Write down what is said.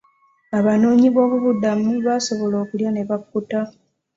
Abanoonyi b'obubudamu baasobola okulya ne bakkuta.